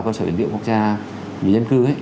cơ sở dữ liệu quốc gia về nhân cư